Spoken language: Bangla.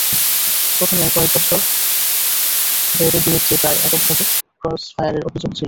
প্রথম কয়েক বছর র্যা বের বিরুদ্ধে প্রায় এককভাবে ক্রসফায়ারের অভিযোগ ছিল।